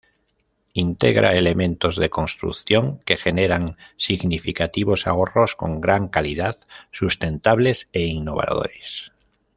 Integra elementos de construcción que generan significativos ahorros con gran calidad, sustentables e innovadores.